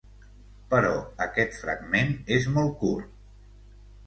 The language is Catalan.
Però aquest fragment és molt curt.